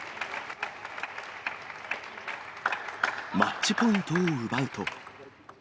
マッチポイントを奪うと。